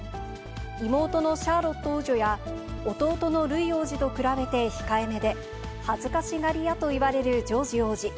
妹のシャーロット王女や、弟のルイ王子と比べて控えめで、恥ずかしがり屋と言われるジョージ王子。